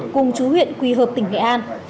cùng chú huyện quỳ hợp tỉnh nghệ an